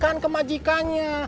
harus dikembalikan ke majikannya